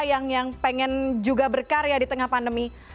yang pengen juga berkarya di tengah pandemi